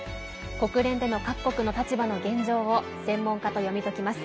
国連での各国の立場の現状を専門家と読み解きます。